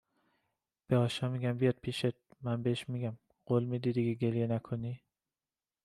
به آشا میگم بیاد پیشت، من بهش میگم، قول میدی دیگه گریه نکنی؟